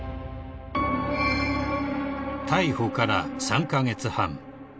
［逮捕から３カ月半］